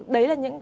đấy là những cái